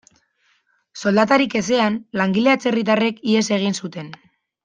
Soldatarik ezean, langile atzerritarrek ihes egin zuten.